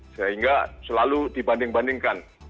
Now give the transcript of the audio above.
sehingga selalu dibanding bandingkan